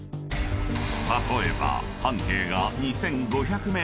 ［例えば］